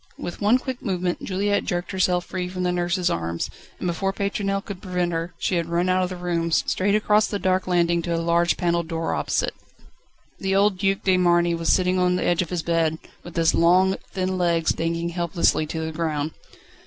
With one quick movement Juliette jerked herself free from the nurse's arms, and before Pétronelle could prevent her, she had run out of the room, straight across the dark landing to a large panelled door opposite. The old Duc de Marny was sitting on the edge of his bed, with his long, thin legs dangling helplessly to the ground.